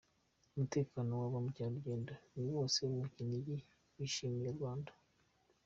Umutekano wa ba mukerarugendo ni wose mu Kinigi bishimiye u Rwanda